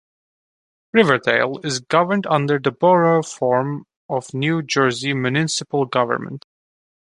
Riverdale is governed under the Borough form of New Jersey municipal government.